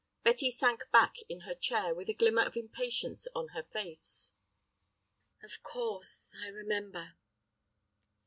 Betty sank back in her chair with a glimmer of impatience on her face. "Of course—I remember."